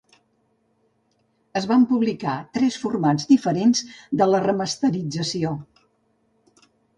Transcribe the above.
Es van publicar tres formats diferents de la remasterització.